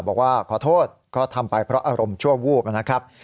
บอกว่าขอโทษก็ทำไปเพราะอารมณ์ชั่ววูบนะครับ